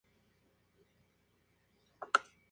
Está basada en el libro de Karen Joy Fowler del mismo nombre.